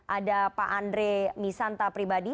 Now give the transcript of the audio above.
ada pak andre misanta pribadi